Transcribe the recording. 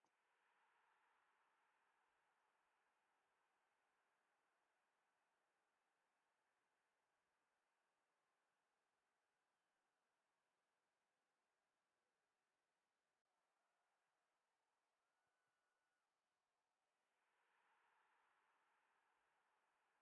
Líricamente, la canción se dirige a un antiguo amante.